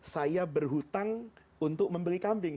saya berhutang untuk membeli kambing